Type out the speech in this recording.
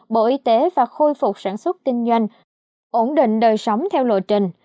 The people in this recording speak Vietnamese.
bộ y tế và khôi phục sản xuất kinh doanh ổn định đời sống theo lộ trình